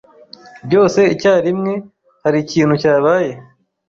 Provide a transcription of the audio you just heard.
Byose icyarimwe, hari ikintu cyabaye.